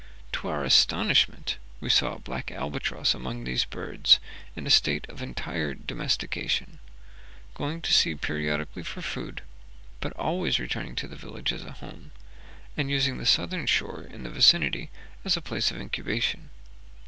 To our astonishment we saw black albatross among these birds in a state of entire domestication, going to sea periodically for food, but always returning to the village as a home, and using the southern shore in the vicinity as a place of incubation.